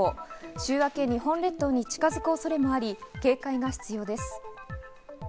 週明け日本列島に近づく恐れもあり、警戒が必要です。